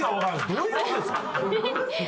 どういう事ですか？